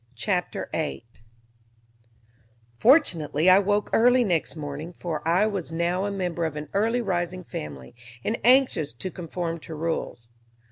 Chapter 8 Fortunately I woke early next morning, for I was now a member of an early rising family, and anxious to conform to rules.